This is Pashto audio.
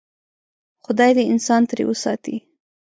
خدای دې انسان ترې وساتي.